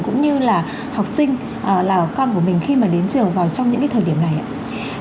cũng như là học sinh là con của mình khi mà đến trường vào trong những cái thời điểm này ạ